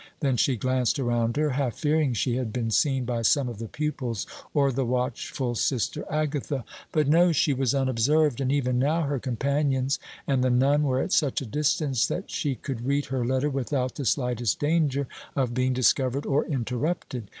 Then she glanced around her, half fearing she had been seen by some of the pupils or the watchful Sister Agatha. But no, she was unobserved, and even now her companions and the nun were at such a distance that she could read her letter without the slightest danger of being discovered or interrupted.